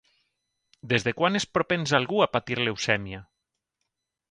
Des de quan és propens algú a patir leucèmia?